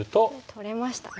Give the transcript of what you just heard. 取れましたね。